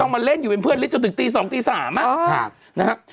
มาเล่นอยู่เป็นเพื่อนฤทธจนถึงตี๒ตี๓นะครับ